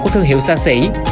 của thương hiệu xa xỉ